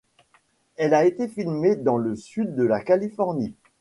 Elle a été filmée dans le sud de la Californie.